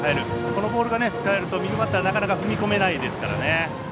このボールが使えると右バッターはなかなか踏み込めないですからね。